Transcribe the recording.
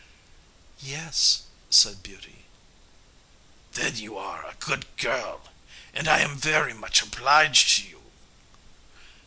"Yes," said Beauty. "Then you are a good girl, and I am very much obliged to you."